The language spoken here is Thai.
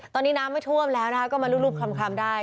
ตอนนี้น้ำไม่ท่วมแล้วนะคะก็มารูปคลำได้